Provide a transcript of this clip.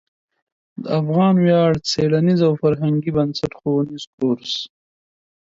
د افغان ویاړ څیړنیز او فرهنګي بنسټ ښوونیز کورس